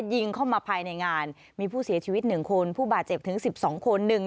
ยิงเข้ามาภายในงานมีผู้เสียชีวิต๑คนผู้บาดเจ็บถึง๑๒คน